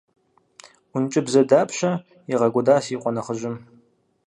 Ӏункӏыбзэ дапщэ игъэкӏуэда си къуэ нэхъыжьым?